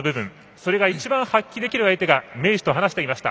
それが一番発揮できる相手が明治と話していました。